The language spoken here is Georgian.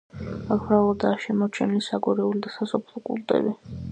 აქ მრავლადაა შემორჩენილი საგვარეულო და სასოფლო კულტები.